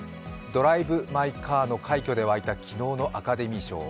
「ドライブ・マイ・カー」の快挙で沸いた昨日のアカデミー賞。